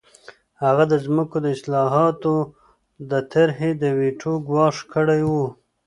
هغه د ځمکو د اصلاحاتو د طرحې د ویټو ګواښ کړی و